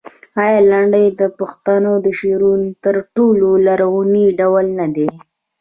آیا لنډۍ د پښتو د شعر تر ټولو لرغونی ډول نه دی؟